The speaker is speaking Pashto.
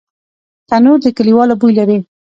تنور د کلیوالو بوی لري